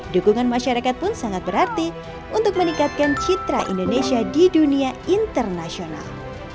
dukungan masyarakat pun sangat berarti untuk meningkatkan citra indonesia di dunia internasional